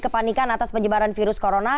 kepanikan atas penyebaran virus corona